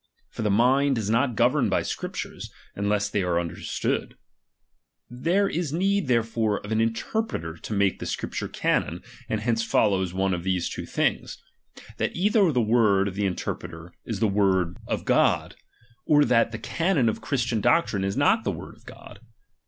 For the mind is not governed by Scriptures, unless they be understood. There is need there fore of an interpreter to make the Scriptures canon, and hence follows one of these two things ; that either the w^ord of the interpreter is the word VOL. II. T IhewrirdofGod. ^^SewiB 271 RELIGION. 1, of God, or that the canon of Christian doctrine is not the word of God.